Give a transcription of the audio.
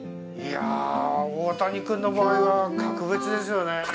いやー、大谷君の場合は格別ですよね。